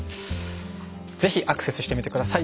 ぜひアクセスしてみてください。